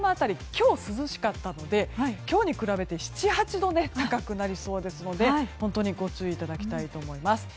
今日涼しかったので今日に比べて７８度高くなりそうですので本当にご注意いただきたいと思います。